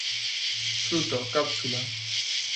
Fruto: cápsula.